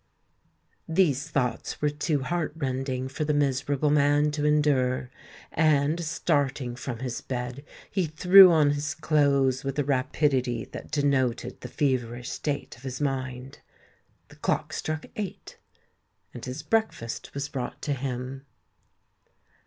These thoughts were too heart rending for the miserable man to endure; and, starting from his bed, he threw on his clothes with a rapidity that denoted the feverish state of his mind. The clock struck eight; and his breakfast was brought to him.